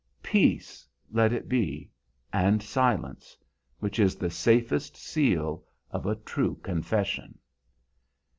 Peace let it be, and silence, which is the safest seal of a true confession."